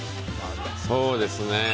そうですね。